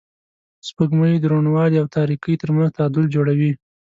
سپوږمۍ د روڼوالي او تاریکۍ تر منځ تعادل جوړوي